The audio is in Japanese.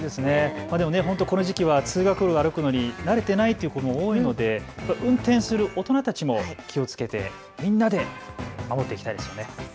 この時期は通学路を歩くのに慣れていない子も多いので運転する大人たちも気をつけてみんなで守っていきたいですね。